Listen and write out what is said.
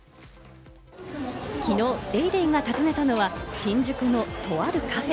昨日『ＤａｙＤａｙ．』が訪ねたのは新宿のとあるカフェ。